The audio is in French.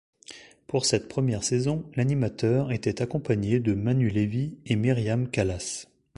Pour cette première saison, l'animateur était accompagné de Manu Levy et Myriam Callas.